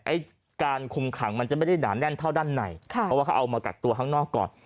ไอ้การคุมขังมันจะไม่ได้หนาแน่นเท่าด้านในค่ะเพราะว่าเขาเอามากักตัวข้างนอกก่อน